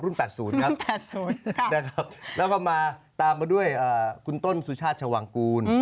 รุ่น๘๐ครับแล้วก็ตามมาด้วยคุณต้นสุชาชชะวังกูล